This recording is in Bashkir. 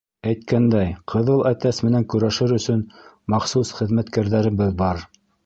Әйткәндәй, «ҡыҙыл әтәс» менән көрәшер өсөн махсус хеҙмәткәрҙәребеҙ бар.